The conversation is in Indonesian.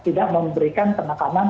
tidak memberikan penekanan